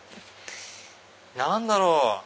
何だろう？